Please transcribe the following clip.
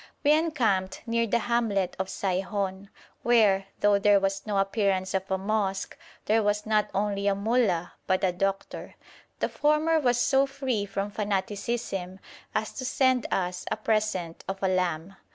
We encamped near the hamlet of Saihon, where, though there was no appearance of a mosque, there was not only a mollah but a doctor. The former was so free from fanaticism as to send us a present of a lamb.